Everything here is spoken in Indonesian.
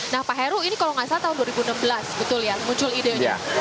nah pak heru ini kalau nggak salah tahun dua ribu enam belas betul ya muncul idenya